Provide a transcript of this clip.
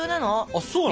あっそうなの？